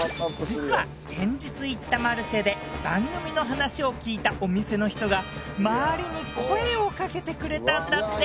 実は先日行ったマルシェで番組の話を聞いたお店の人が周りに声をかけてくれたんだって。